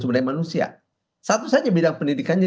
sebenarnya manusia satu saja bidang pendidikannya